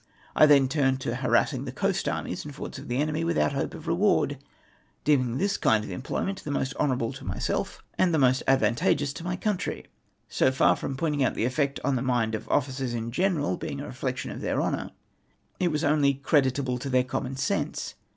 I then turned to harassing the coast armies and forts of the enemy, without hope of reward, deeming this kind of employ ment the most honourable to myself, and the most ad vantageous to my country. So far from my pointing out the effect on the mind of officers in general beinfx a reflection On their honour, it was only creditable to their common sense.